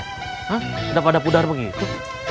hah tidak pada pudar begitu